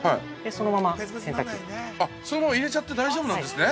◆そのまま入れちゃって大丈夫なんですね。